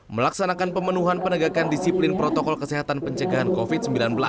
melaksanakan pemenuhan penegakan disiplin protokol kesehatan pencegahan covid sembilan belas